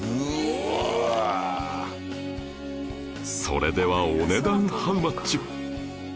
それではお値段ハウマッチ？